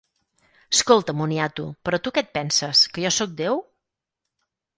Escolta, moniato, però tu què et penses, que jo sóc Déu?